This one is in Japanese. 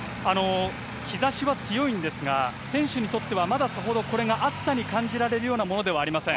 日ざしは強いんですが、選手にとってはまださほど、これが暑さに感じられるようなものではありません。